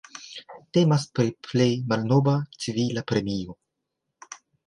Temas pri la plej malnova civila premio.